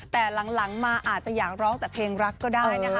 แต่หลังมาอาจจะอยากร้องแต่เพลงรักก็ได้นะคะ